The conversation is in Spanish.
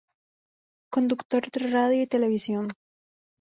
Conductor de radio y televisión.